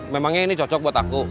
memangnya ini cocok buat aku